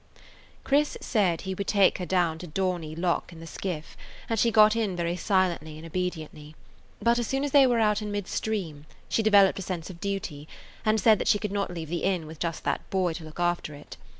Chris said he would take her down to Dorney Lock in the skiff, and she got in very silently and obediently; but as soon as they were out in midstream she developed a sense of duty, and said she could not leave the inn with just that boy to look after it.